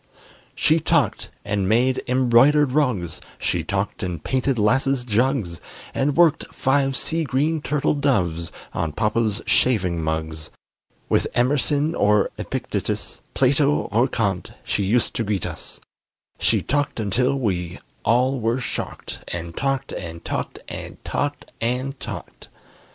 She talked and made embroidered rugs, She talked and painted 'lasses jugs, And worked five sea green turtle doves On papa's shaving mugs; With Emerson or Epictetus, Plato or Kant, she used to greet us: She talked until we all were shocked, And talked and talked and talked and talked!